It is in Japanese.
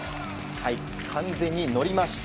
完全に乗りました。